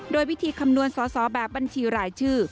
โดยวิธีคำนวณสอสอแบบบัญชีรายชื่อ